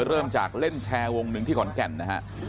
เริ่มจากเล่นแชร์วงหนึ่งที่ขอนแก่นนะฮะ